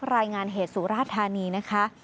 รายงานเหตุสุราธานีนะคะ